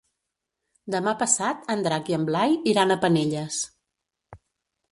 Demà passat en Drac i en Blai iran a Penelles.